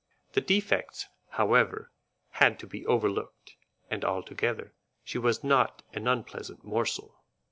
The defects, however, had to be overlooked, and altogether she was not an unpleasant morsel.